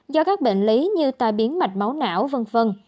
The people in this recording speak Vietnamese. do các bệnh lý như tai biến mạch máu não v v